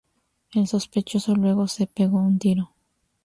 El sospechoso luego se pegó un tiro.